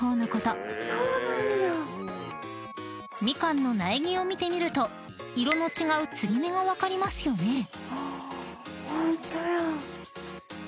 ［みかんの苗木を見てみると色の違う継ぎ目が分かりますよね］